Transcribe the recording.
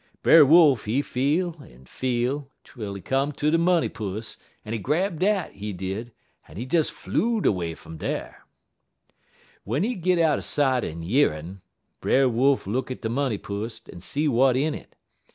Brer Wolf, he feel, en feel, twel he come ter de money pus, en he grab dat, he did, en he des flew'd away fum dar. "W'en he git out er sight en year'n', Brer Wolf look at de money pus, en see w'at in it.